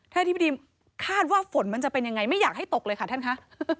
อธิบดีคาดว่าฝนมันจะเป็นยังไงไม่อยากให้ตกเลยค่ะท่านคะ